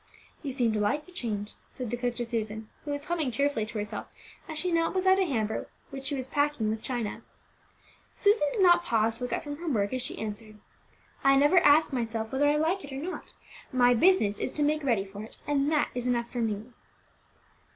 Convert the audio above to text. "You seem to like the change," said the cook to Susan, who was humming cheerfully to herself as she knelt beside a hamper which she was packing with china. Susan did not pause to look up from her work as she answered, "I never ask myself whether I like it or not; my business is to make ready for it, and that is enough for me."